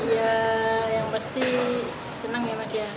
ya yang pasti senang memang ya